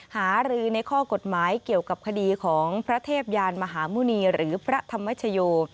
หารือในข้อกฎหมายเกี่ยวกับคดีของพระเทพยานมหาหมุณีหรือพระธรรมชโย